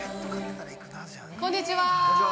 ◆こんにちは。